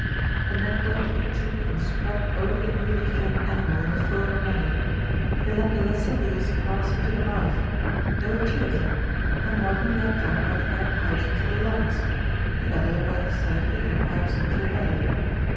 The network he took and spread over the newly formed animal in the following manner:—He let the lesser weels pass into the mouth; there were two of them, and one he let down by the air pipes into the lungs, the other by the side of the air pipes into the belly.